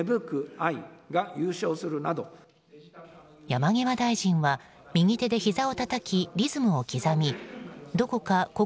山際大臣は右手でひざをたたきリズムを刻みどこか心